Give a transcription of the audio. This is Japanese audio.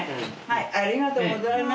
ありがとうございます。